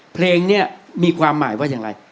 เพลงนี้มีความหมายว่าอย่างไร